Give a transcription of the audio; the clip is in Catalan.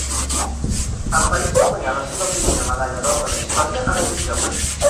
El país va guanyar la seva primera medalla d'or de la història en aquests Jocs.